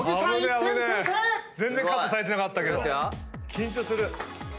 緊張する。